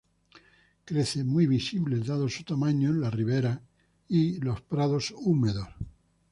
Crecen muy visibles, dado su tamaño, en las riveras y los prados húmedos.